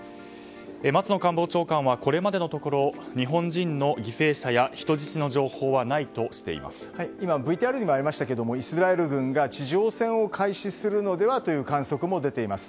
松野官房長官はこれまでのところ日本人の犠牲者や今、ＶＴＲにもありましたがイスラエル軍が地上戦を開始するのではという観測も出ています。